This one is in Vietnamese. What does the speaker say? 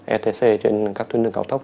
etc trên các tuyến đường cao tốc